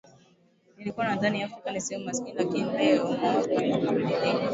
Nilikuwa nadhani Afrika ni sehemu maskini lakini leo mawazo yangu yamebadilika